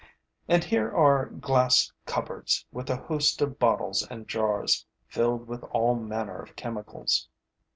And here are glass cupboards with a host of bottles and jars, filled with all manner of chemicals.